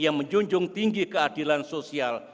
yang menjunjung tinggi keadilan sosial